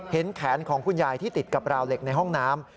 เห็นแขนของคุณยายที่ติดกับราวเหล็กในห้องน้ำ